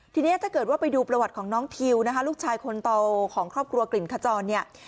ทีนี้ถ้าเกิดว่าไปดูประวัติของน้องทิวนะคะลูกชายคนโตของครอบครัวกลิ่นขจรเนี่ย